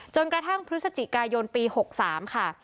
จนกระทั่งพฤศจิกายนปี๖๓ค่ะ